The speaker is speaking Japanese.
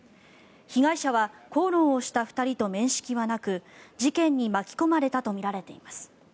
被害者は口論をした２人と面識はなく事件に巻き込まれたとみられています。